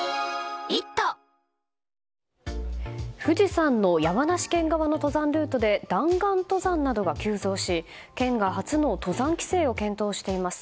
富士山の山梨県側の登山ルートで弾丸登山などが急増し県が初の登山規制を検討しています。